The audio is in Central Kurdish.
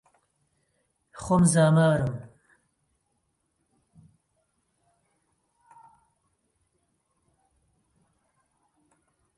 خۆم زامارم